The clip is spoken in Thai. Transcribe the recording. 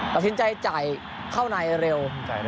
ตัดสินใจจ่ายเข้าในเร็ว